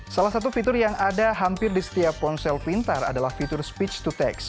salah satu fitur yang ada hampir di setiap ponsel pintar adalah fitur speech to tax